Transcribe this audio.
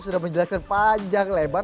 sudah menjelaskan panjang lebar